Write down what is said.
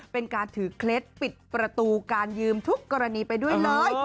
เป็นการถือเคล็ดปิดประตูการยืมทุกกรณีไปด้วยเลย